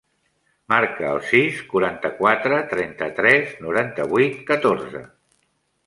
Marca el sis, quaranta-quatre, trenta-tres, noranta-vuit, catorze.